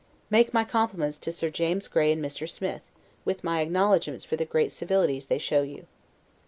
Make my compliments to Sir James Gray and Mr. Smith, with my acknowledgments for the great civilities they show you.